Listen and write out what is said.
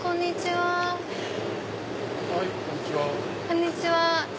はいこんにちは。